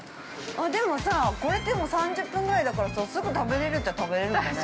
◆でもさ、これ３０分ぐらいだからすぐ食べれるっちゃ食べれるんだね。